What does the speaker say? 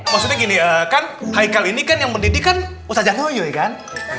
maksudnya gini kan haikal ini kan yang mendidih kan ustadz zanurul ye kan